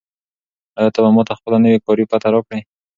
آیا ته به ماته خپله نوې کاري پته راکړې؟